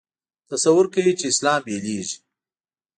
تصور کوي چې اسلام بېلېږي.